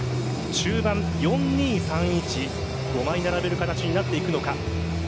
中盤、４−２−３−１５枚並べる形になっていくのか。